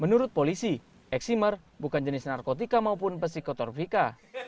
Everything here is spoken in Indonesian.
menurut polisi eksimer bukan jenis narkotika maupun psikotorfika